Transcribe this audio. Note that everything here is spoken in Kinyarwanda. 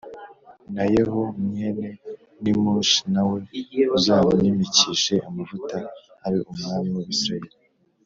na Yehu mwene Nimushi na we uzamwimikishe amavuta abe umwami w’Abisirayeli